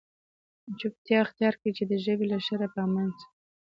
چوپتیا اختیار کړئ! چي د ژبي له شره په امن سئ.